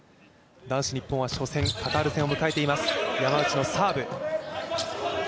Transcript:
男子日本は初戦カタール戦を迎えています。